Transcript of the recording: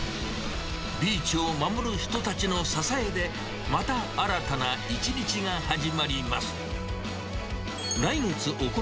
ビーチを守る人たちの支えで、また新たな一日が始まります。